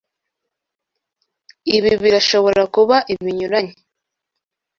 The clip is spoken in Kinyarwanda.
Ibi birashobora kuba ibinyuranye